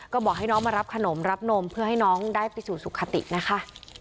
ก็บอกให้น้องมารับขนมรับนมเพื่อให้น้องได้ไปสู่สุขตินะคะ